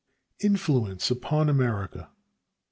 Influence Upon America.